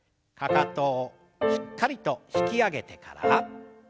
かかとをしっかりと引き上げてから。